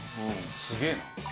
「すげえな」